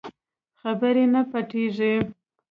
خبرې نه پټېږي.